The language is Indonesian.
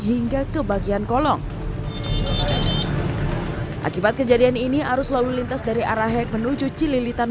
hingga ke bagian kolong akibat kejadian ini arus lalu lintas dari arah hek menuju cililitan